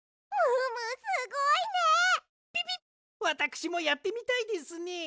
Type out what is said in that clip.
わたくしもやってみたいですね。